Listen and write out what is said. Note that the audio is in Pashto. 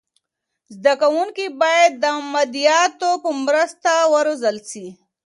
زده کونکي باید د مادیاتو په مرسته و روزل سي.